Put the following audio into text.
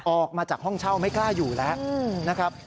ออกมาจากห้องเช่าไม่กล้าอยู่แล้วนะครับ